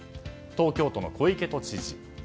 東京都の小池都知事。